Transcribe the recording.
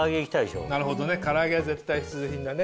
なるほどね唐揚げは絶対必需品だね。